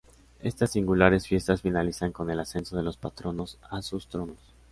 Estas singulares fiestas finalizan con el ascenso de los patronos a sus tronos.